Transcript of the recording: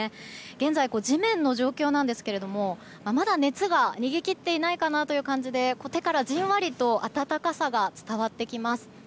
現在の地面の状況ですがまだ熱が逃げ切っていないかなという感じで手からじんわりと温かさが伝わってきます。